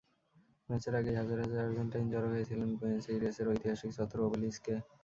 ম্যাচের আগেই হাজার হাজার আর্জেন্টাইন জড়ো হয়েছিলেন বুয়েনস এইরেসের ঐতিহাসিক চত্বর ওবেলিস্কে।